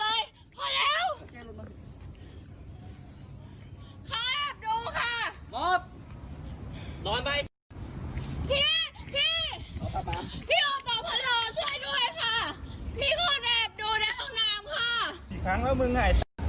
แอบดูในห้องน้ำค่ะอีกครั้งแล้วมึงไหนทำแบบนี้สองครั้งแล้วค่ะ